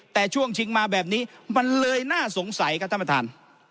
แต่ช่วงชิงมาแบบนี้มันเลยน่าสงสัยครับท่านประธาน